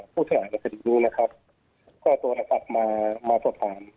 ประเด็นแรกก็คือกำลังร